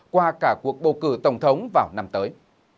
qua cả cuộc bầu cử tổng thống vào năm tới